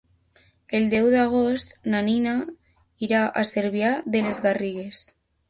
El deu d'agost na Nina irà a Cervià de les Garrigues.